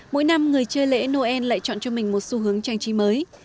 mỗi năm người chơi lễ noel lại chọn cho mình một xu hướng trang trí mới